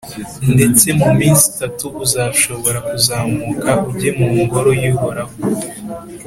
ndetse mu minsi itatu uzashobora kuzamuka ujye mu Ngoro y’Uhoraho.